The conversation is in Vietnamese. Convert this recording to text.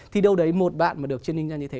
thì đâu đấy một bạn mà được chênh ninh ra như thế